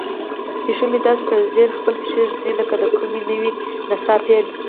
پیشو مې داسې په ځیر خپلې پښې ږدوي لکه د کومې نوې نڅا پیل.